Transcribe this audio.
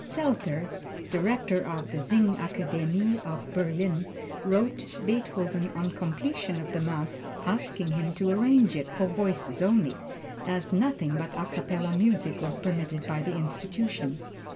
Zelter, director of the Singakademie of Berlin wrote Beethoven on completion of the Mass, asking him to arrange it for voices only, as nothing but a capella music was permitted by the institution.